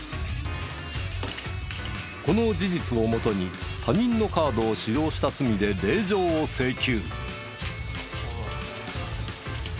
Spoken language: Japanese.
この事実をもとに他人のカードを使用した罪で令状を請求。